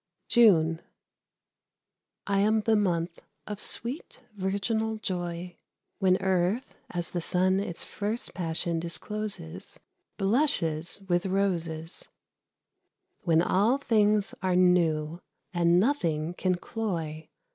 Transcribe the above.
JUNE. I am the month of sweet, virginal joy, When Earth, as the sun its first passion discloses, Blushes with roses, When all things are new, and nothing can cloy.